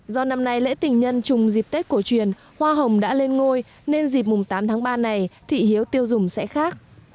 do năm nay lễ tình nhân trùng dịp tết cổ truyền hoa hồng đã lên ngôi nên dịp mùng tám tháng ba này thị hiếu tiêu dùng sẽ khác